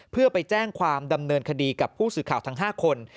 เพื่อไปแจ้งความดำเนินคดีกับผู้สื่อข่าวทั้ง๕คน